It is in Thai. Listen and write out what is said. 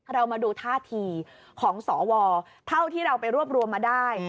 เรามาดูท่าทีของสวเท่าที่เราไปรวบรวมมาได้